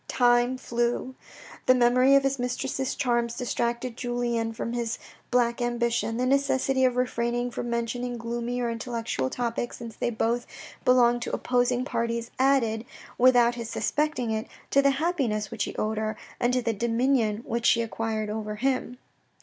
Time flew. The memory of his mistress's charms distracted Julien from his black ambition. The necessity of refraining from mentioning gloomy or intellectual topics since they both ioa THE RED AND THE BLACK belonged to opposing parties, added, without his suspecting it, to the happiness which he owed her, and to the dominion which she acquired over him.